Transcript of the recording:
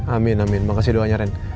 amin amin makasih doanya ren